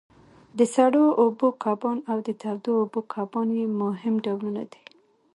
د سړو اوبو کبان او د تودو اوبو کبان یې مهم ډولونه دي.